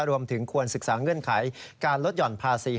รวมถึงควรศึกษาเงื่อนไขการลดห่อนภาษี